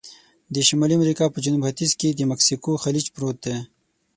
د شمالي امریکا په جنوب ختیځ کې د مکسیکو خلیج پروت دی.